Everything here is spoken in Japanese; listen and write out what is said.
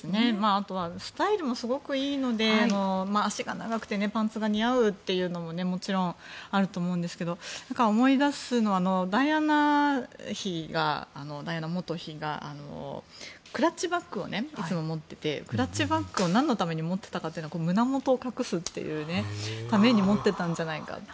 あと、スタイルもすごくいいので脚が長くてパンツが似合うというのももちろんあると思うんですが思い出すのは、ダイアナ元妃がクラッチバッグをいつも持っていてクラッチバッグを何のために持っていたかというのは胸元を隠すために持っていたんじゃないかと。